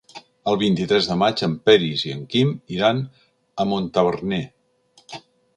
El vint-i-tres de maig en Peris i en Quim iran a Montaverner.